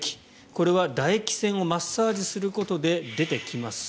これはだ液腺をマッサージすることで出てきます。